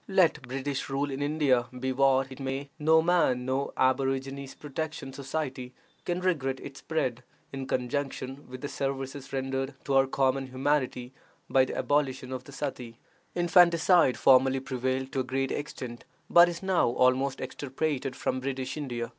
Let British rule in India be what it may, no man, no "Aborigines Protection Society," can regret its spread, in conjunction with the services rendered to our common humanity by the abolition of the suttee. Infanticide formerly prevailed to a great extent, but is now almost extirpated from British India.